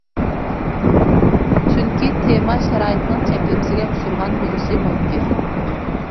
چۈنكى تېما شارائىتنىڭ چەكلىمىسىگە ئۇچرىغان بولۇشى مۇمكىن.